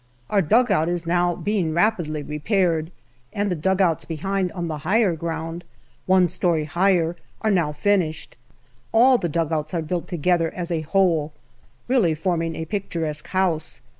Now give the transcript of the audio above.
Our dugout is now being rapidly repaired, and the dugouts behind on the higher ground, one story higher, are now finished. All the dugouts are built together as a whole, really forming a picturesque house.